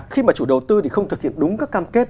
khi mà chủ đầu tư thì không thực hiện đúng các cam kết